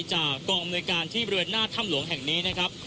จากกองอำนวยการที่บริเวณหน้าถ้ำหลวงแห่งนี้นะครับ